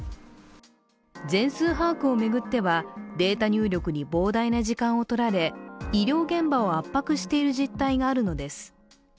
全数把握を巡ってはデータ入力に膨大な時間を取られ医療現場を圧迫している実態があるのです。